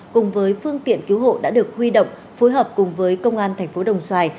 cùng với phương tiện cứu hộ đã được huy động phối hợp cùng với công an thành phố đồng xoài